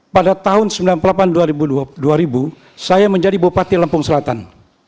pada tahun seribu sembilan ratus sembilan puluh delapan dua ribu saya menjadi bupati lampung selatan